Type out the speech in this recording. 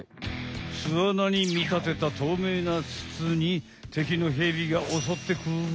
すあなにみたてたとうめいなつつに敵のヘビがおそってくる。